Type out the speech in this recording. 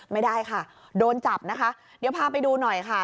ไม่ได้ค่ะโดนจับนะคะเดี๋ยวพาไปดูหน่อยค่ะ